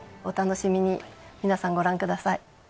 お楽しみに皆さんご覧ください。